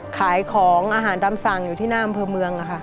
ขายของอาหารตามสั่งอยู่ที่น่ามเผือเมือง